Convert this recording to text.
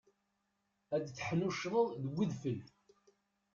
Ad teḥnuccḍem deg udfel.